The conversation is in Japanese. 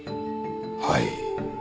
はい。